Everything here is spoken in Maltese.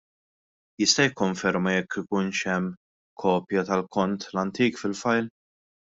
Jista' jikkonferma jekk ikunx hemm kopja tal-kont l-antik fil-file?